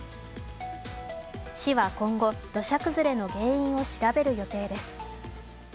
市は今後、土砂崩れの原因を調べる予定です。